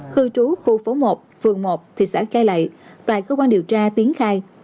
cư trú khu phố một phường một thị xã cai lậy tại cơ quan điều tra tiến khai